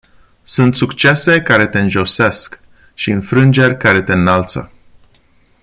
Sunt succese care te înjosesc și înfrângeri care te înalță.